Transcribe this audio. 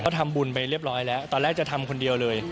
ทำบุญไปเรียบร้อยแล้วตอนแรกจะทำคนเดียวเลย